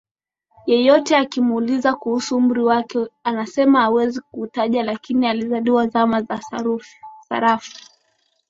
Yeyote akimuuliza kuhusu umri wake wake anasema hawezi kuutaja lakini alizaliwa zama za sarafu